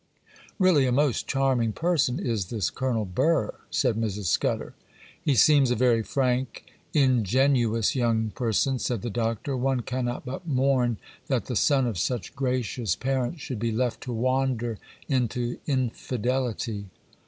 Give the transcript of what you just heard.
'Really, a most charming person is this Colonel Burr,' said Mrs. Scudder. 'He seems a very frank, ingenuous young person,' said the Doctor; 'one cannot but mourn that the son of such gracious parents should be left to wander into infidelity.